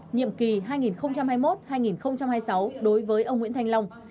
nhiệm kỳ hai nghìn hai mươi một hai nghìn hai mươi sáu đối với ông nguyễn thanh long